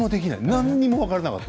なんにも分からなかった。